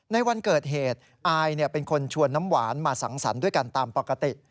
ในวันเกิดเหตุอายเป็นคนชวนน้ำหวานมาสังสรรค์ด้วยกันตามปกติ